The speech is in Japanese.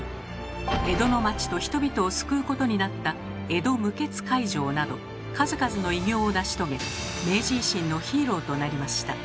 江戸の町と人々を救うことになった「江戸無血開城」など数々の偉業を成し遂げ明治維新のヒーローとなりました。